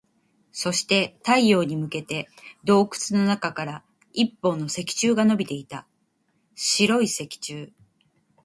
そして、太陽に向けて洞窟の中から一本の石柱が伸びていた。白い石柱。